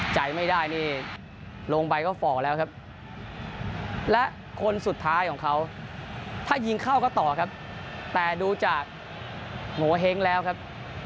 ใจไม่ได้นี่ลงไปก็ฝ่อแล้วครับและคนสุดท้ายของเขาถ้ายิงเข้าก็ต่อครับแต่ดูจากโงเห้งแล้วครับ